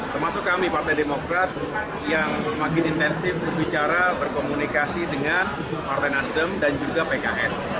termasuk kami partai demokrat yang semakin intensif berbicara berkomunikasi dengan partai nasdem dan juga pks